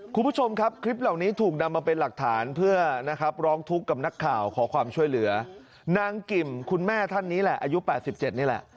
คุณผู้ชมครับคลิปเหล่านี้ถูกนำมาเป็นหลักฐานเพื่อนะครับร้องทุกข์กับนักข่าวขอความช่วยเหลือนางกิมคุณแม่ท่านนี้แหละอายุ๘๗นี่แหละ